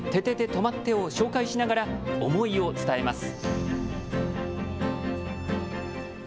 とまって！を紹介しながら思いを伝えます。